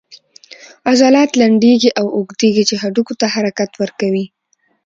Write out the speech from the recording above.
عضلات لنډیږي او اوږدیږي چې هډوکو ته حرکت ورکوي